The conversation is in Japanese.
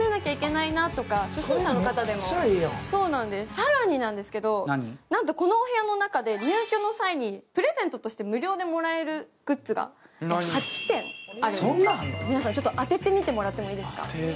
更に、なんとこのお部屋の中で入居の際にプレゼントとして無料でもらえるグッズが８点皆さん、当ててみてもらってもいいですか？